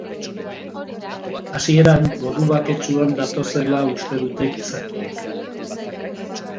Hasieran modu baketsuan datozela uste dute gizakiek.